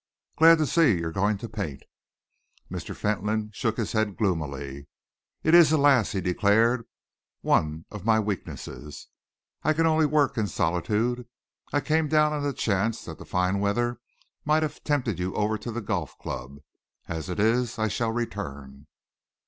"Glad to see you're going to paint." Mr. Fentolin shook his head gloomily. "It is, alas!" he declared, "one of my weaknesses. I can work only in solitude. I came down on the chance that the fine weather might have tempted you over to the Golf Club. As it is, I shall return."